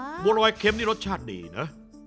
บัวรอยเค็มนี่รสชาติดีนะ